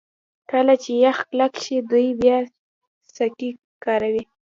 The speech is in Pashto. کله چې یخ کلک شي دوی بیا سکي کاروي